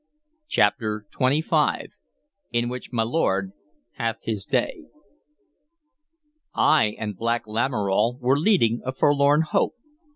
CHAPTER XXV IN WHICH MY LORD HATH HIS DAY I AND Black Lamoral were leading a forlorn hope.